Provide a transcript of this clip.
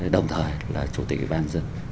đồng thời là chủ tịch ủy ban dân